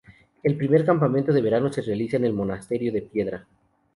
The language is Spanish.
El primer campamento de verano se realiza en el Monasterio de Piedra.